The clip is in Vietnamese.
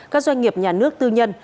các doanh nghiệp nhà nước tư nhân